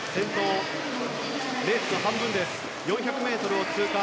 レースの半分４００ｍを通過。